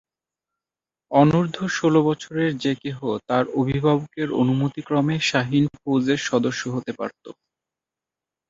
অনূর্ধ্ব ষোল বছরের যে কেহ তার অভিভাবকের অনুমতিক্রমে শাহীন ফৌজের সদস্য হতে পারত।